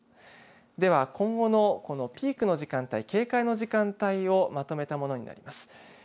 では今後のこのピークの時間帯、警戒の時間帯をまとめたものになります。